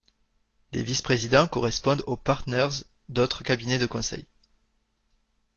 Les Vice-Présidents correspondent aux “Partners” d’autres cabinets de conseil.